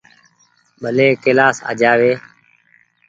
ڀلي ڪيلآش آ جآوي ۔